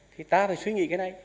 thì ta phải suy nghĩ cái này